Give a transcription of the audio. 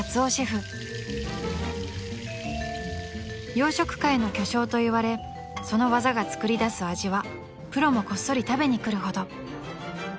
［洋食界の巨匠といわれその技が作り出す味はプロもこっそり食べに来るほど］